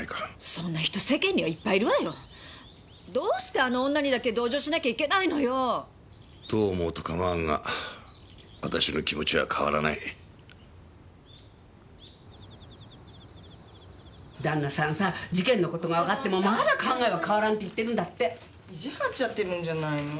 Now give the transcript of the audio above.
そんな人世間にはいっぱいいるわよどうしてあの女にだけ同情しなきゃいけないのよどう思おうとかまわんが私の気持ちは変わらない旦那さんさ事件のことが分かってもまだ考えは変わらんって言ってるんだって意地張っちゃってるんじゃないの？